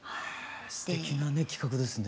すてきなね企画ですね。